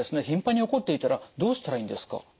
頻繁に起こっていたらどうしたらいいんですか？